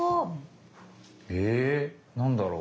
え何だろう？